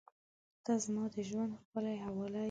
• ته زما د ژونده ښکلي حواله یې.